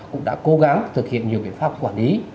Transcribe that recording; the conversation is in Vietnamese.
cũng đã cố gắng thực hiện nhiều biện pháp quản lý